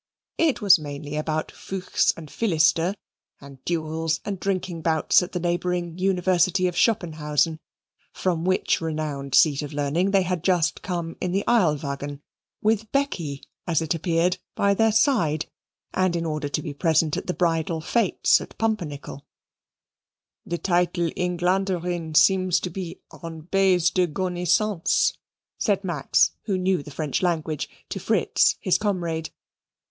It was mainly about "Fuchs" and "Philister," and duels and drinking bouts at the neighbouring University of Schoppenhausen, from which renowned seat of learning they had just come in the Eilwagen, with Becky, as it appeared, by their side, and in order to be present at the bridal fetes at Pumpernickel. "The title Englanderinn seems to be en bays de gonnoisance," said Max, who knew the French language, to Fritz, his comrade.